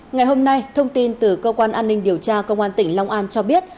ngày hôm nay thông tin từ cơ quan an ninh điều tra công an tỉnh long an cho biết